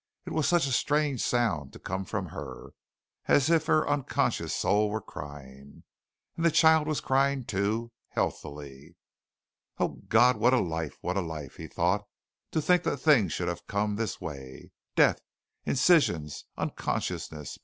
It was such a strange sound to come from her as if her unconscious soul were crying. And the child was crying, too, healthily. "Oh, God, what a life, what a life!" he thought. To think that things should have to come this way. Death, incisions! unconsciousness!